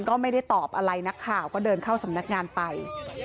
ก็ไม่ได้ตอบอะไรนักข่าวก็เดินเข้าสำนักงานไป